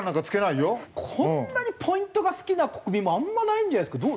こんなにポイントが好きな国民もあんまりないんじゃないですか？